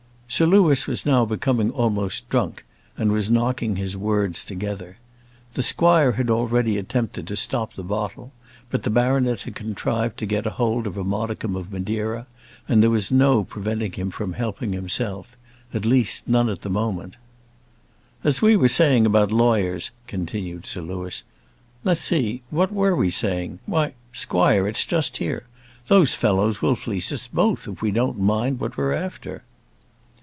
Sir Louis was now becoming almost drunk, and was knocking his words together. The squire had already attempted to stop the bottle; but the baronet had contrived to get hold of a modicum of Madeira, and there was no preventing him from helping himself; at least, none at that moment. "As we were saying about lawyers," continued Sir Louis. "Let's see, what were we saying? Why, squire, it's just here. Those fellows will fleece us both if we don't mind what we are after."